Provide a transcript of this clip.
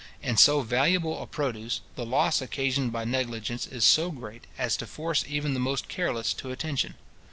In so valuable a produce, the loss occasioned by negligence is so great, as to force even the most careless to attention.